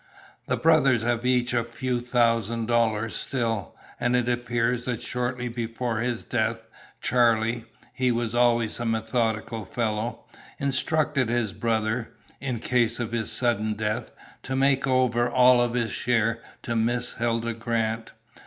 The brothers have each a few thousand dollars still, and it appears that shortly before his death, Charlie he was always a methodical fellow instructed his brother, in case of his sudden death, to make over all of his share to Miss Hilda Grant.